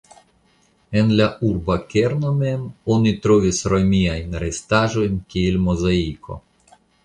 En la urba kerno mem oni trovis romiajn restaĵojn kiel mozaiko.